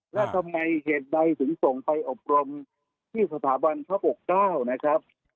และทำไมเหตุใดถึงส่งไปอบรมที่สถาบันครับ๖๙นะครับ